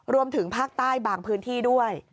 รวมถึงภาคใต้บางพื้นที่ด้วย